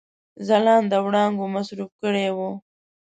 ځلانده وړانګو مصروف کړي وه.